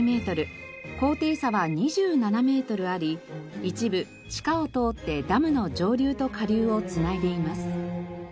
高低差は２７メートルあり一部地下を通ってダムの上流と下流を繋いでいます。